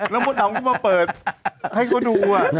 ท่านพวกน้องเขามาเปิดให้กูดูอ่ะ